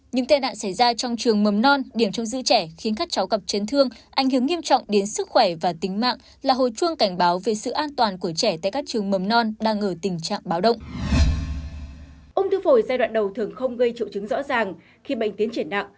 những tai nạn xảy ra trong trường mầm non điểm trong dư trẻ khiến các cháu gặp chấn thương ảnh hưởng nghiêm trọng đến sức khỏe và tính mạng là hồi chuông cảnh báo về sự an toàn của trẻ tại các trường mầm non đang ở tình trạng báo động